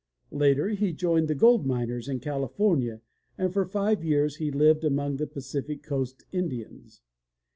Later he joined the gold miners in California and for five years he lived among the Pacific Coast Indians.